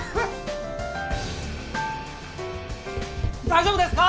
大丈夫ですか！？